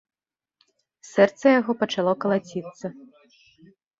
Сэрца яго пачало калаціцца.